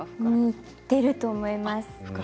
似ていると思います。